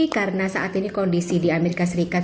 karena saat ini kondisi di amerika serikat